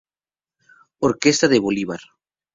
Orquesta de bolivar.